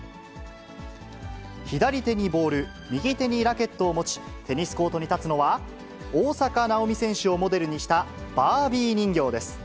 左手にボール、右手にラケットを持ち、テニスコートに立つのは、大坂なおみ選手をモデルにしたバービー人形です。